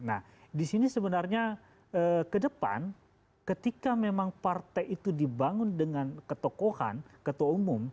nah di sini sebenarnya ke depan ketika memang partai itu dibangun dengan ketokohan ketua umum